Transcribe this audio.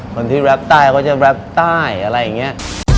คนที่แรปใต้เขาจะแรปใต้อะไรอย่างนี้